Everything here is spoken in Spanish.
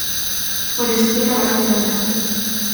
Forestier a Barcelona.